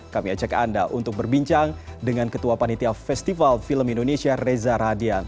kami ajak anda untuk berbincang dengan ketua panitia festival film indonesia reza radian